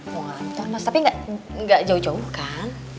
wah mantor mas tapi gak jauh jauh kan